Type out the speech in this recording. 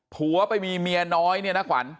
ผัวไปมีเมียน้อยเนี่ยนะขวัญ